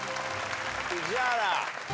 宇治原。